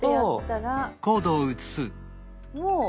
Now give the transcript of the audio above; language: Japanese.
もう。